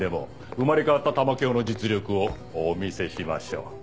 生まれ変わった玉響の実力をお見せしましょう。